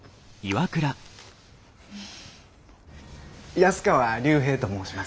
安川龍平と申します。